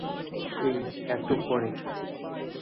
এই, একটু উপরে।